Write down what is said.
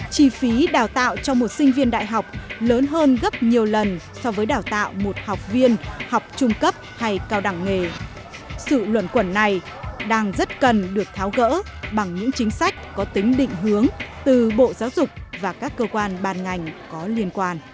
chỉ phí đào tạo cho một sinh viên đại học lớn hơn gấp nhiều lần so với đào tạo một học viên học trung cấp hay cao đẳng nghề